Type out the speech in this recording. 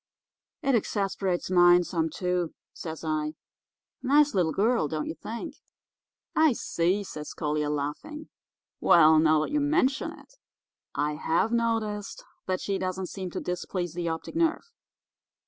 "'It exasperates mine some, too,' says I. 'Nice little girl, don't you think?' "'I see,' says Collier, laughing. 'Well, now that you mention it, I have noticed that she doesn't seem to displease the optic nerve.